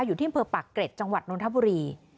อยู่ที่อำเภอปากเกร็ดจังหวัดนทบุรี